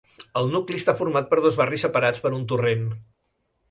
El nucli està format per dos barris separats per un torrent.